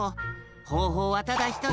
ほうほうはただひとつ。